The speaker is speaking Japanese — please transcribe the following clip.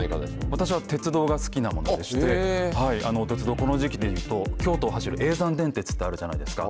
私は鉄道が好きでして、鉄道、この時期でいうと京都を走る叡山電鉄ってあるじゃないですか。